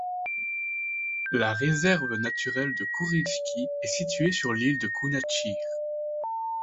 La réserve naturelle de Kourilski est située sur l'île de Kounachir.